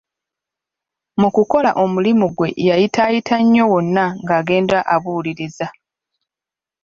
Mu kukola omulimu gwe yayitaayita nnyo wonna ng'agenda abuuliriza.